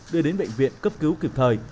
đưa đến bệnh viện cấp cứu kịp thời